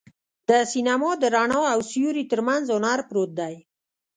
د سینما د رڼا او سیوري تر منځ هنر پروت دی.